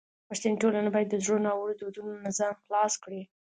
پښتني ټولنه باید د زړو ناوړو دودونو نه ځان خلاص کړي.